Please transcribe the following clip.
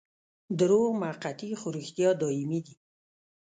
دروغ موقتي خو رښتیا دايمي دي.